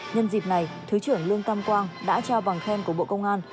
nhân dịp này thứ trưởng lương tam quang đã trao bằng khen của bộ công an